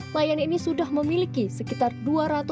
layan ini sudah memiliki sekitar dua ratus orang